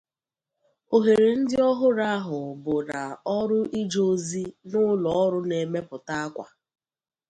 Ohere ndị ọhụrụ ahụ bụ na ọrụ ije ozi na ụlọ ọrụ na emepụta akwa.